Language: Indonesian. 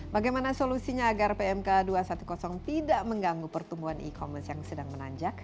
bagaimana solusinya agar pmk dua ratus sepuluh tidak mengganggu pertumbuhan e commerce yang sedang menanjak